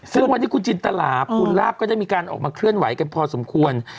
ซึ่งวันนี้คุณจินตราภูลลาบก็ได้มีการออกมาเคลื่อนไหวกันพอสมควร